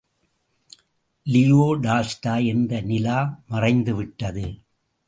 Leo Tolstoy என்ற நிலா மறைந்து விட்டது.